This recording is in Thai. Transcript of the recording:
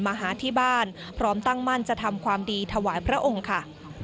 มาหาที่บ้านพร้อมตั้งมั่นจะทำความดีถวายพระองค์ค่ะ